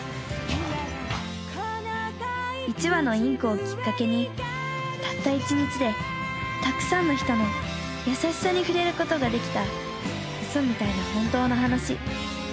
［一羽のインコをきっかけにたった一日でたくさんの人の優しさに触れることができた嘘みたいな本当の話］